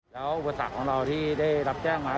แล้วอุปสรรคของเราที่ได้รับแจ้งมา